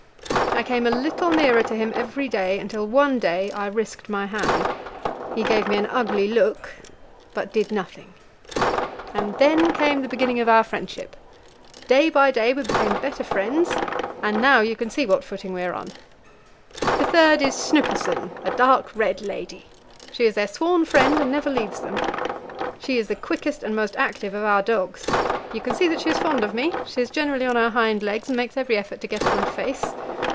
I came a little nearer to him every day, until one day I risked my hand. He gave me an ugly look, but did nothing; and then came the beginning of our friendship. Day by day we became better friends, and now you can see what footing we are on. The third is Snuppesen, a dark red lady; she is their sworn friend, and never leaves them. She is the quickest and most active of our dogs. You can see that she is fond of me; she is generally on her hind legs, and makes every effort to get at my face.